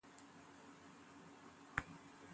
He served in this role for two years.